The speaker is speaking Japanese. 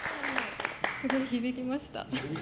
すごい、響きました。